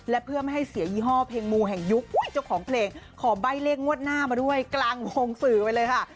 และเพื่อไม่ให้เสียยี่ห้อเพลงมูแห่งยุคเจ้าของเพลงขอใบ้เลขงวดหน้ามาด้วยกลางวงสื่อไปเลยค่ะ